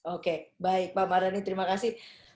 oke baik pak mardhani terima kasih